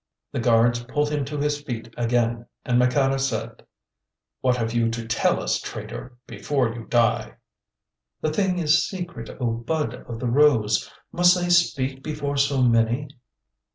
The guards pulled him to his feet again, and Maqueda said: "What have you to tell us, traitor, before you die?" "The thing is secret, O Bud of the Rose. Must I speak before so many?"